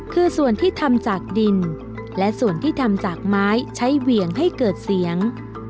คือส่วนที่ทำจากดินและส่วนที่ทำจากไม้ใช้เหวี่ยงให้เกิดเสียง